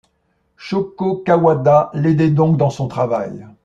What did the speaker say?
Shôgo Kawada l'aidait donc dans son travail.